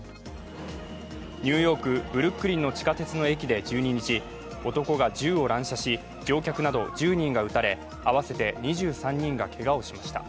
ニューヨーク・ブルックリンの地下鉄の駅で１２日男が銃を乱射し乗客など１０人が撃たれ合わせて２３人がけがをしました。